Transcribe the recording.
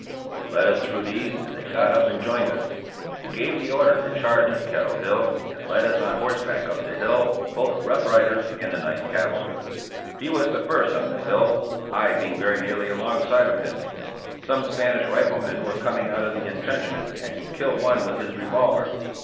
He led us through these and they got up and joined us. He gave the order to charge 308 APPENDIX E on Kettle Hill, and led us on horseback up the hill, both Rough Riders and the Ninth Cavalry. He was the first on the hill, I being very nearly alongside of him. Some Spanish riflemen were coming out of the intrenchments and he killed one with his revolver.